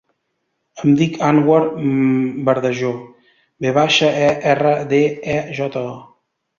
Em dic Anwar Verdejo: ve baixa, e, erra, de, e, jota, o.